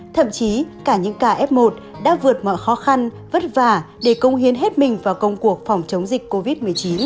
thậm chí cả những ca f một đã vượt mọi khó khăn vất vả để công hiến hết mình vào công cuộc phòng chống dịch covid một mươi chín